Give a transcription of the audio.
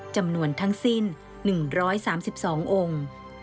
จำนวนทั้งสิ้น๑๓๒องค์